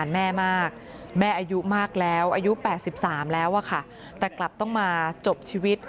แม่มากแม่อายุมากแล้วอายุ๘๓แล้วอะค่ะแต่กลับต้องมาจบชีวิต